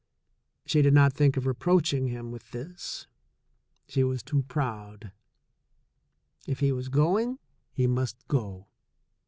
She did not think of reproaching him with this; she was too proud. If he was going, he must go.